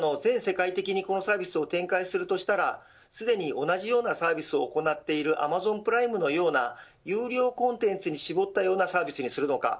もし全世界的にこのサービスを展開するとしたらすでに同じようなサービスを行っているアマゾンプライムのような有料コンテンツに絞ったようなサービスにするのか。